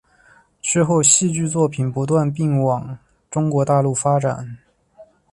之后戏剧作品不断并往中国大陆发展。